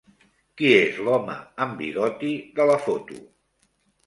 Qui és l'home amb bigoti de la foto?